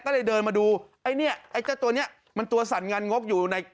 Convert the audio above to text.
ก็เลยเดินมาดูไอ้เจ้าตัวเนี้ยตัวสั่นงานงกอยู่